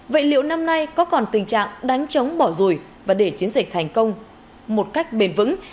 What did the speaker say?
vậy liệu năm nay có còn tình trạng đánh chống bỏ rùi và để chiến dịch thành công một cách bền vững